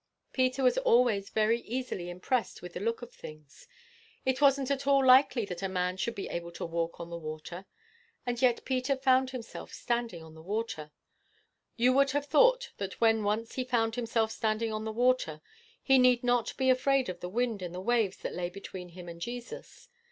Peter was always very easily impressed with the look of things. It wasn't at all likely that a man should be able to walk on the water; and yet Peter found himself standing on the water: you would have thought that when once he found himself standing on the water, he need not be afraid of the wind and the waves that lay between him and Jesus.